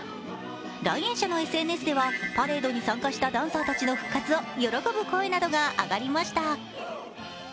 来園者のＳＮＳでは、パレードに参加したダンサーたちの復活を喜ぶ声などがありました。